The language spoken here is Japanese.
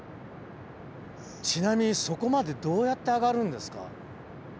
ちなみにそこまでどうやって上がるんですか？